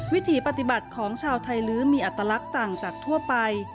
วิถีปฏิบัติของชาวไทยลื้อมีอัตลักษณ์ต่างจากทั่วไป